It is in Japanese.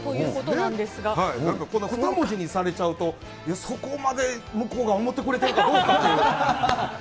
なんかこんな２文字にされちゃうと、そこまで向こうが思ってくれてるかどうかという。